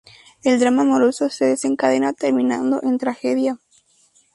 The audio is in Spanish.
El drama amoroso se desencadena, terminando en tragedia.